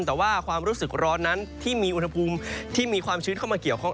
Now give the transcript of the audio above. แต่ว่าความรู้สึกร้อนนั้นที่มีอุณหภูมิที่มีความชื้นเข้ามาเกี่ยวข้อง